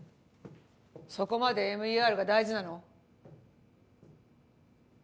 そこまでＭＥＲが大事なの？